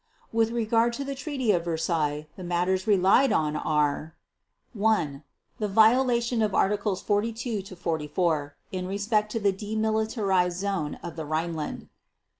With regard to the Treaty of Versailles, the matters relied on are: 1. The violation of Articles 42 to 44 in respect of the demilitarized zone of the Rhineland; 2.